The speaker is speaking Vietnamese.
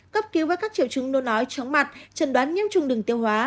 cấp cứu với các triệu chứng nôn nói chóng mặt trần đoán nhiễm trùng đường tiêu hóa